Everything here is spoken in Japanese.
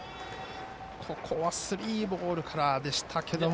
スリーボールからでしたけれども。